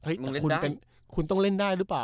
แต่คุณต้องเล่นได้หรือเปล่า